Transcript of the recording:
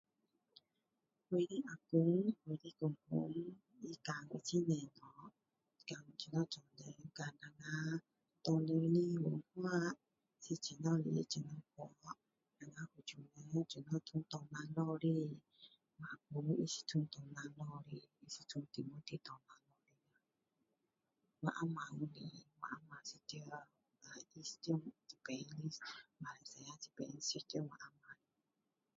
我的啊公我的公公他教我很多东西教我们做人的方法教我们华人的文化怎样来怎样去我们福州人怎样从唐山下来我啊公他是从民丹莪下来的我们是在他是在马来西亚认识到我啊婆